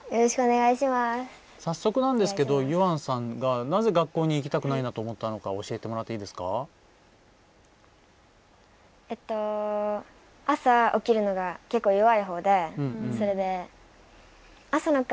早速なんですけどゆあんさんが、なぜ学校に行きたくないのかを教えてもらっていいですか。